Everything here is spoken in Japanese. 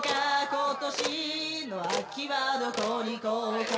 今年の秋はどこに行こうか？